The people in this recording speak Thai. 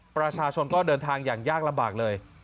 ประชาชนก็เดินทางอย่างยากลำบากเลย